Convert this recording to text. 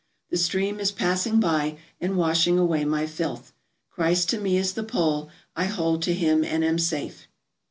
The stream is passing by and washing away my filth. Christ to me is the pole; I hold to him and am safe."